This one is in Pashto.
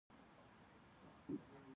اوبه او د ونې لرګي د دې شیانو بیلګې دي.